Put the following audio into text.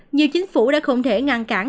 nhiều chính phủ đã không thể ngăn cản